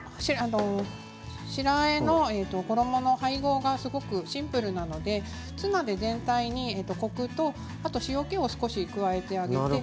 白あえの衣の配合がすごくシンプルなのでツナと全体にコクと塩けを加えてあげて。